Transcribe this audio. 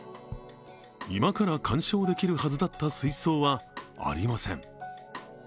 今から鑑賞できるはずだった水槽はありません。